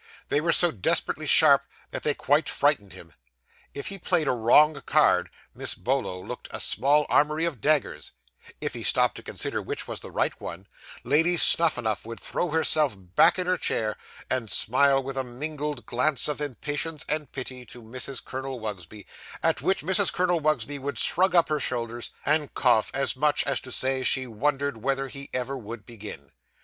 They were so desperately sharp, that they quite frightened him. If he played a wrong card, Miss Bolo looked a small armoury of daggers; if he stopped to consider which was the right one, Lady Snuphanuph would throw herself back in her chair, and smile with a mingled glance of impatience and pity to Mrs. Colonel Wugsby, at which Mrs. Colonel Wugsby would shrug up her shoulders, and cough, as much as to say she wondered whether he ever would begin.